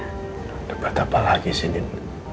pertempuran apa lagi si din